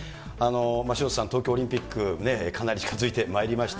潮田さん、東京オリンピック、かなり近づいてまいりました。